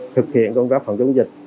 thực hiện công tác phòng chống dịch